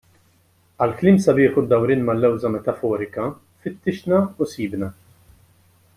Għall-kliem sabiħ u d-dawrien mal-lewża metaforika, fittixna u sibna.